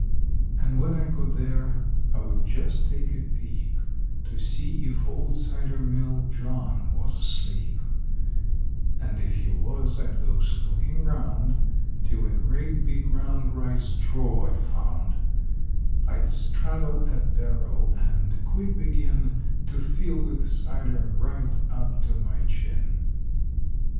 And when I got there I would just take a peep, To see if old cider mill John was asleep, And if he was I'd go snooking round 'Till a great big round rye straw I'd found; I'd straddle a barrel and quick begin To fill with cider right up to my chin.